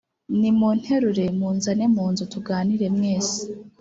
Nimunterure munzane munzu tuganire mwese